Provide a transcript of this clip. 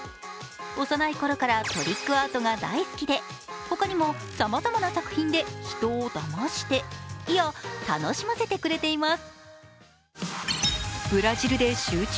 幼いころからトリックアートが大好きで他にもさまざまな作品で人をだましていや、楽しませてくれています。